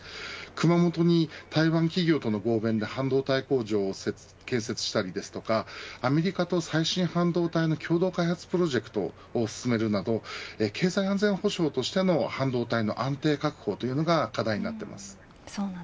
熊本に台湾企業との合弁で半導体工場を建設したりアメリカと最新半導体の共同開発プロジェクトを進めるなど経済安全保障としての半導体の安定的な確保が課題になっています。